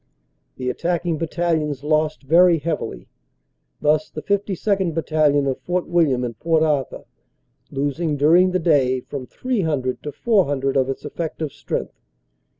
The attacking battalions lost very heavily; thus, the 52nd. Battalion, of Fort William and Port Arthur, losing during the day from 300 to 400 of its effective strength.